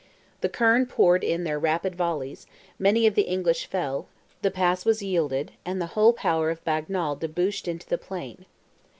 The kerne poured in their rapid volleys; many of the English fell; the pass was yielded, and the whole power of Bagnal debouched into the plain.